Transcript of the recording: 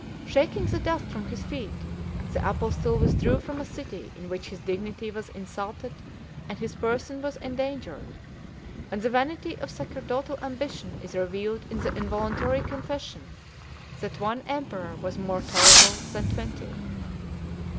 Shaking the dust from his feet, the apostle withdrew from a city in which his dignity was insulted and his person was endangered; and the vanity of sacerdotal ambition is revealed in the involuntary confession, that one emperor was more tolerable than twenty.